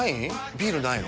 ビールないの？